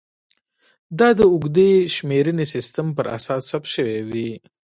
دا د اوږدې شمېرنې سیستم پر اساس ثبت شوې وې